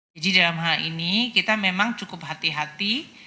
jadi dalam hal ini kita memang cukup hati hati